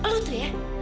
lu tuh ya